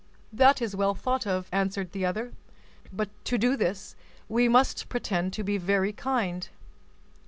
"That is well thought of," answered the other, "but to do this, we must pretend to be very kind."